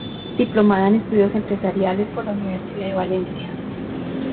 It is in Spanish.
Diplomada en Estudios Empresariales por la Universidad de Valencia.